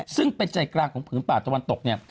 ซึ่งเป็นใจกลางของผืนป่าตะวันตกเนี่ย